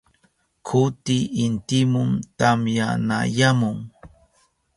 Kuti intimun tamyanayamun.